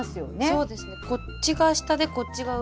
そうです。